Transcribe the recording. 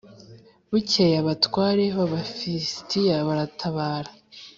Bukeye abatware b’Abafilisitiya baratabara